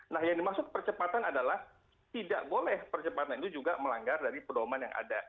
nah yang dimaksud percepatan adalah tidak boleh percepatan itu juga melanggar dari pedoman yang ada